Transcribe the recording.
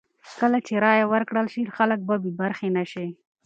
کله چې رایه ورکړل شي، خلک به بې برخې نه شي.